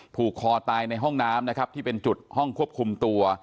ผูกคอตายในห้องน้ำที่เป็นจุฐองควบคุมตัว